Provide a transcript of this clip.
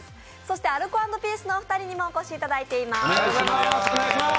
アルコ＆ピースのお二人にもお越しいただいています。